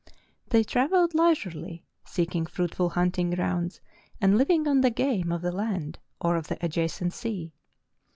They travelled leisurely, seeking fruitful hunting grounds and living on the game of the land or of the adjacent sea.